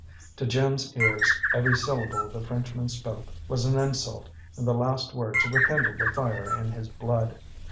To Jim's ears, every syllable the Frenchman spoke was an insult, and the last words rekindled the fire in his blood.